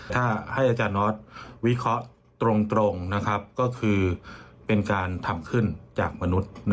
ถ้าให้อาจารย์นอทวิเคราะห์ตรงก็คือเป็นการทำขึ้นจากมนุษย์